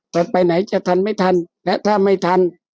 แต่ไปไหนจะทันไม่ทันและถ้าไม่ทัน